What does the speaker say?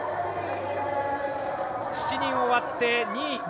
７人終わって、２位。